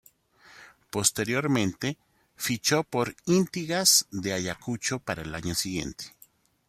Posteriormente, fichó por Inti Gas de Ayacucho para el año siguiente.